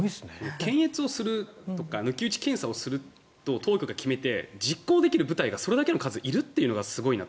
検閲をするとか抜き打ち検査をすると当局が決めて、実行できる部隊がそれだけの数いるのがすごいなと。